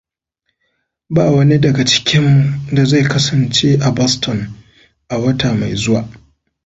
Ba wani daga cikinmu da zai kasance a Boston a wata mai zuwa.